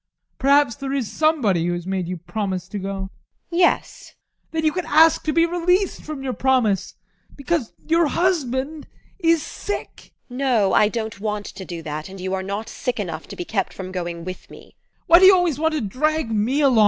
Perhaps there is somebody who has made you promise to go. TEKLA. Yes. ADOLPH. Then you can ask to be released from your promise because your husband is sick. TEKLA, No, I don't want to do that, and you are not sick enough to be kept from going with me. ADOLPH. Why do you always want to drag me along?